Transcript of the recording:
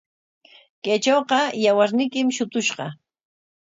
Kaytrawqa yawarniykim shutushqa.